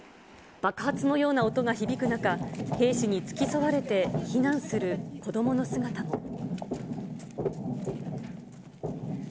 爆発のような音が響く中、兵士に付き添われて避難する子どもの姿も。